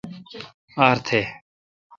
ار تھ